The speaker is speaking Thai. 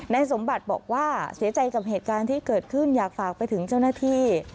สมบัติบอกว่าเสียใจกับเหตุการณ์ที่เกิดขึ้นอยากฝากไปถึงเจ้าหน้าที่